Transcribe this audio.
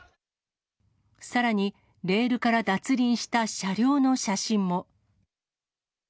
さらに、レールから脱輪した車両の写真も。